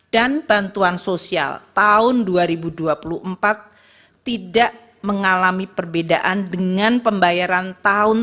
dan bantuan sosial tahun dua ribu dua puluh empat tidak mengalami perbedaan dengan pembayaran tahun dua ribu dua puluh